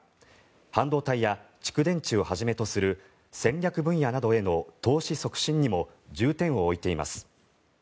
半導体や蓄電池をはじめとする戦略分野などへの投資促進にも重点を置いています。